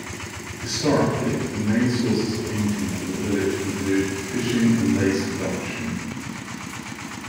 Historically, the main sources of income for the village include fishing and lace production.